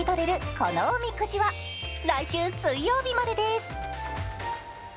このおみくじは来週水曜日までです。